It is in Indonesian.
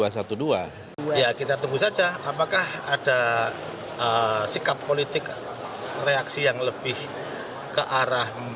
ya kita tunggu saja apakah ada sikap politik reaksi yang lebih ke arah